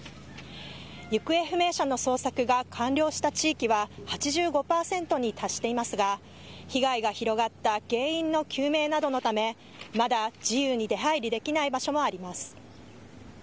行方不明者の捜索が完了した地域は８５％に達していますが、被害が広がった原因の究明などのため、まだ自由に出はいりできない場所もあります。